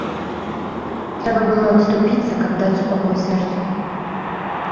Трэба было адступіцца, каб даць супакой сэрцу.